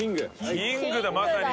キングだまさに。